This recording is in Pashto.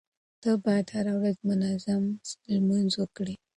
ته بايد هره ورځ منظم لمونځ وکړې.